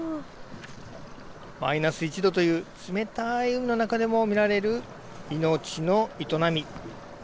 マイナス１度という冷たい海の中でも見られる命の営み。